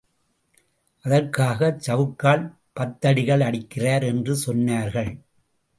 அதற்காகச் சவுக்கால் பத்தடிகள் அடிக்கிறார் என்று சொன்னார்கள்.